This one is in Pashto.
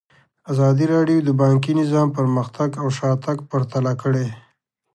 ازادي راډیو د بانکي نظام پرمختګ او شاتګ پرتله کړی.